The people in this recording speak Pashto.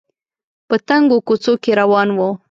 په تنګو کوڅو کې روان و